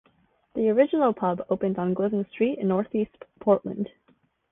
The original pub opened on Glisan Street in northeast Portland.